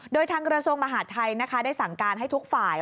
โดยทางเกราะส่งมหาทัยได้สั่งการให้ทุกฝ่าย